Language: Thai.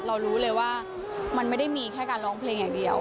เรารู้เลยว่ามันไม่ได้มีแค่การร้องเพลงอย่างเดียว